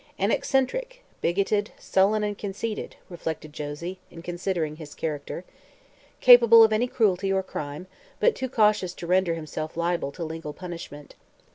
"An eccentric; bigoted, sullen and conceited," reflected Josie, in considering his character. "Capable of any cruelty or crime, but too cautious to render himself liable to legal punishment.